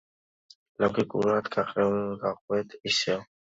ლოგიკურად გავყვეთ ისევ.